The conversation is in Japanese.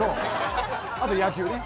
あと野球ね。